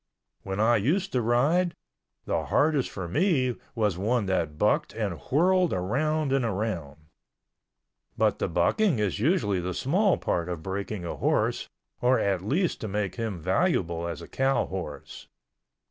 When I used to ride, the hardest for me was one that bucked and whirled around and around. But the bucking is usually the small part of breaking a horse or at least to make him valuable as a cow horse.